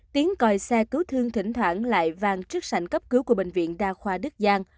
tiến coi xe cứu thương thỉnh thoảng lại vàng trước sảnh cấp cứu của bệnh viện đa khoa đức giang